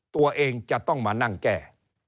ตัวเองจะต้องมานั่งแก้